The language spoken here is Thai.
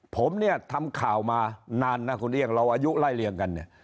ผมเนี่ยทำข่าวมานานนะคุณเอี่ยงเราอายุไล่เลี่ยงกันเนี่ย